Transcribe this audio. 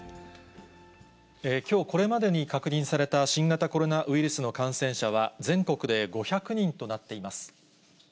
きょうこれまでに確認された新型コロナウイルスの感染者は、全国で５００人となっています。